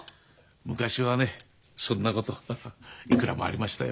昔はねそんなこといくらもありましたよ。